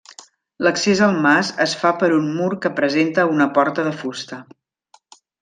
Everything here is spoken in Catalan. L'accés al mas es fa per un mur que presenta una porta de fusta.